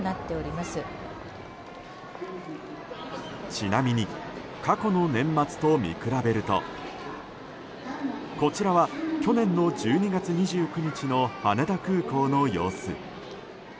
ちなみに過去の年末と見比べるとこちらは、去年の１２月２９日の羽田空港の様子。